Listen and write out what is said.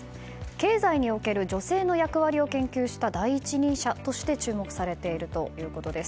経済における女性の役割を研究した第一人者として注目されているということです。